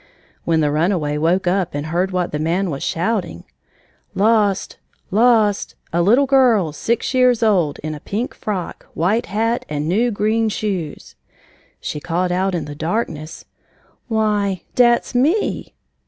When the runaway woke up and heard what the man was shouting "Lost Lost A little girl, six years old, in a pink frock, white hat, and new, green shoes" she called out in the darkness: "Why dat's ME!"